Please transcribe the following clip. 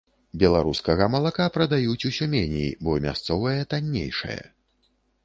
Беларускага малака прадаюць усё меней, бо мясцовае таннейшае.